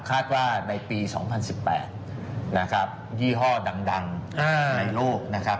คาดว่าในปี๒๐๑๘ยี่ห้อดังในโลก